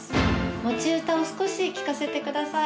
持ち歌を少し聴かせてください